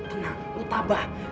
lo tenang lo tabah